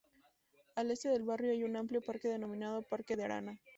Al este del barrio hay un amplio parque denominado Parque de Arana.